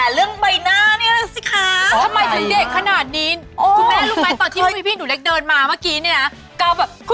แต่เรื่องใบหน้านี่แหละสิคะ